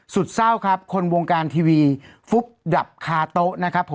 สุดเศร้าครับคนวงการทีวีฟุบดับคาโต๊ะนะครับผม